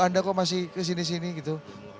anda kok masih kesini sini gitu